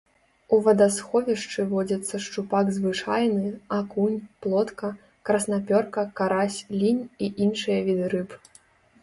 У вадасховішчы водзяцца шчупак звычайны, акунь, плотка, краснапёрка, карась, лінь і іншыя віды рыб.